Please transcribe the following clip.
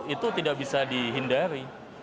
itu tidak bisa dihindari